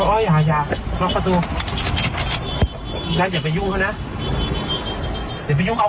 โอ้ยอย่าอย่าล๊อคประตูอย่าอย่าไปยุ่งเขานะอย่าไปยุ่งเขา